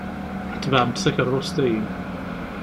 Tebɛemt takeṛṛust-ayi.